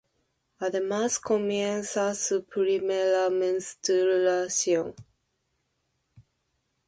Además, comienza su primera menstruación.